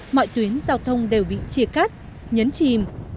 mọi tuyến giao thông đều bị chia cắt nhấn chìm